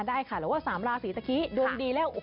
ได้ค่ะเราว่า๓ราศีเมื่อกี๊ดวงดีแล้ว